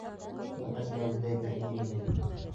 Ул әзмәүерҙәй бер ир ине.